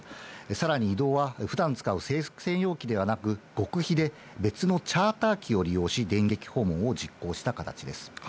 さらに移動はふだん使う政府専用機ではなく、極秘で別のチャーター機を利用し、電撃訪問を実行した形です。